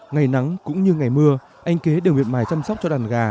ngày nắng cũng như ngày mưa anh kế đều miệt mài chăm sóc cho đàn gà